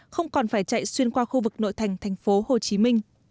không còn phải chạy xuyên qua khu vực nội thành tp hcm